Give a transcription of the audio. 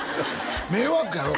迷惑やろ？